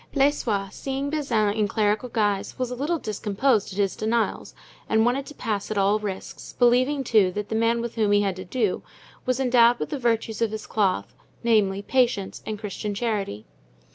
Blaisois seeing Bazin in clerical guise, was a little discomposed at his denials and wanted to pass at all risks, believing too, that the man with whom he had to do was endowed with the virtues of his cloth, namely, patience and Christian charity.